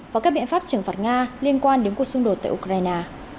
và các biện pháp trừng phạt nga liên quan đến cuộc xung đột tại ukraine